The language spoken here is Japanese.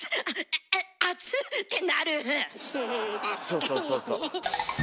そうそうそうそう。